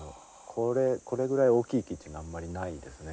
これこれぐらい大きい木ってのはあんまりないですね。